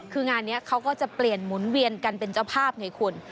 คืองานนี้เขาก็จะเปลี่ยนหมุนเวียนกันเป็นเจ้าภาพไงคุณ